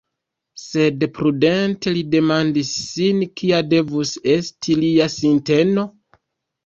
Sed prudente li demandis sin kia devus esti lia sinteno?